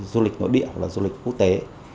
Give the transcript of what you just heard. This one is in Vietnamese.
du lịch nội địa hoặc là du lịch quốc tế